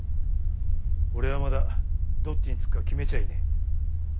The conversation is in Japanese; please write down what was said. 俺はまだどっちにつくか決めちゃいねえ。